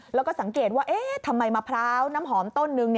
แล้วก็สังเกตว่าทำไมมะพร้าวน้ำหอมต้นนึง